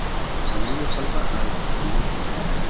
Con ello salva al Olympia.